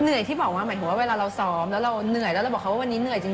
ที่บอกว่าหมายถึงว่าเวลาเราซ้อมแล้วเราเหนื่อยแล้วเราบอกเขาว่าวันนี้เหนื่อยจริง